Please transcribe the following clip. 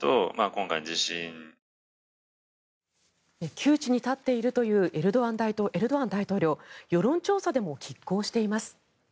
窮地に立っているというエルドアン大統領世論調査でもきっ抗しています。